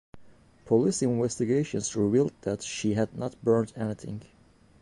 Police investigations revealed that she had not burned anything.